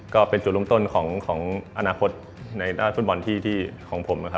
ก็เป็นจุดลุ้มต้นของอนาคตในด้านฟุตบอลที่ของผม